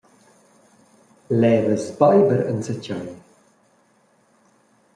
Levas beiber enzatgei?